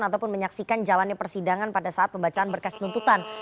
atau menyaksikan jalannya persidangan pada saat pembacaan berkes tuntutan